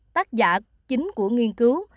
tác giả chính của nghiên cứu